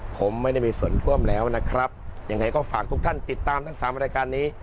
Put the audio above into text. ผมไม่ได้มีส่วนร่วมแล้วนะครับยังไงก็ฝากทุกท่านติดตามทั้งสามรายการนี้